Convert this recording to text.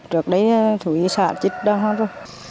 trước đây thủy xã chết đau hoang rồi